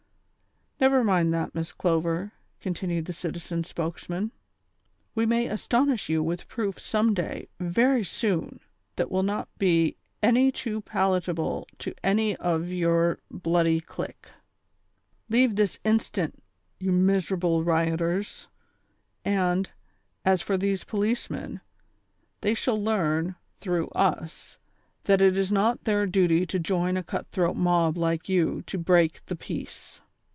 '' iSTever mind that, Miss Clover," continued the citizens' spokesman, '' we may astonish you Avith proof some day very soon that will not be any too palatable to any of your bloody clique." " Leave this instant, you miserable rioters ; and, as for these policemen, they shall learn, tlirough us, that it is not their duty to join a cut throat mob like you to break the peace.